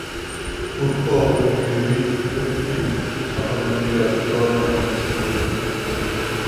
Fu proprio il VfB a favorire la vittoria di questi ultimi.